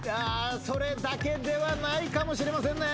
それだけではないかもしれませんね。